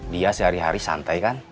dia sehari hari santai kan